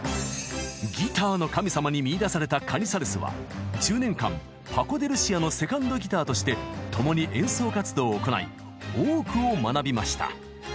ギターの神様に見いだされたカニサレスは１０年間パコ・デ・ルシアのセカンドギターとして共に演奏活動を行い多くを学びました。